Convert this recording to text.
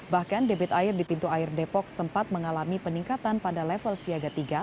bahkan debit air di pintu air depok sempat mengalami peningkatan pada level siaga tiga